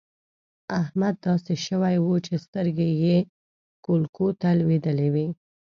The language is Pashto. احمد داسې شوی وو چې سترګې يې کولکو ته لوېدلې وې.